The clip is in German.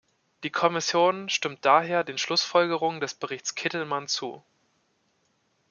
Die Kommission stimmt daher den Schlussfolgerungen des Berichts Kittelmann zu.